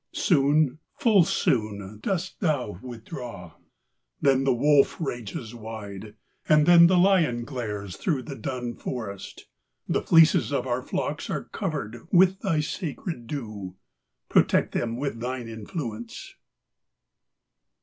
Soon, full soon, Dost thou withdraw; then the wolf rages wide, And then the lion glares through the dun forest: The fleeces of our flocks are cover'd with Thy sacred dew: protect them with thine influence!